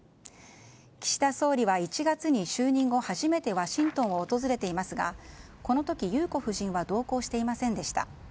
岸田総理は１月に就任後初めてワシントンを訪れていますがこの時、裕子夫人は同行していませんでした。